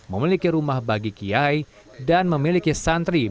memiliki rumah bagi kisah dan memiliki masjid untuk belajar